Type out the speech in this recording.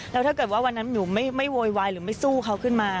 แล้วถ้าเกิดว่าวันนั้นหนูไม่โวยวายหรือไม่สู้เขาขึ้นมา